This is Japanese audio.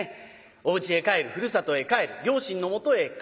おうちへ帰るふるさとへ帰る両親のもとへ帰れるという。